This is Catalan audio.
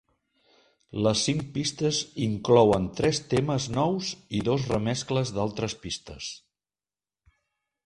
Les cinc pistes inclouen tres temes nous i dos remescles d'altres pistes.